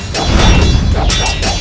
terbaik bruk kel luggage